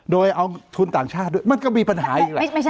โดยเอาทุนต่างชาติด้วยมันก็มีปัญหาอีกแหละ